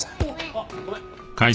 あっごめん！